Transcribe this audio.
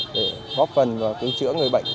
để góp phần và cứu chữa người bệnh